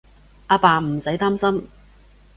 阿爸，唔使擔心